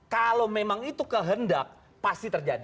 kalau memang itu kehendak pasti terjadi